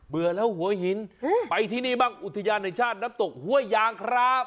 เบื่อแล้วหัวหินไปที่นี่บ้างอุทยานแห่งชาติน้ำตกห้วยยางครับ